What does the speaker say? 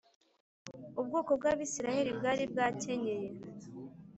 ubwoko bw’abisiraheli bwari bwakenyeye,